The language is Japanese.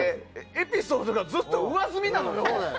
エピソードがずっと上澄みなのよ。